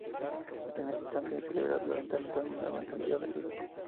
En ese instante se libera violentamente una enorme cantidad de luz.